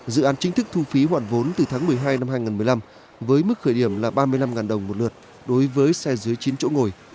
dự án chính thức thu phí hoàn vốn từ tháng một mươi hai năm hai nghìn một mươi năm với mức khởi điểm là ba mươi năm đồng một lượt đối với xe dưới chín chỗ ngồi